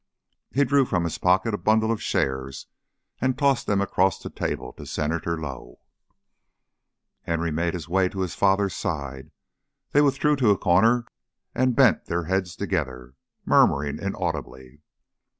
He drew from his pocket a bundle of shares and tossed them across the table to Senator Lowe. Henry made his way to his father's side; they withdrew to a corner and bent their heads together, murmuring inaudibly.